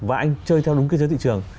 và anh chơi theo đúng cái giới thị trường